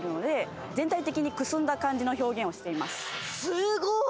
すごい！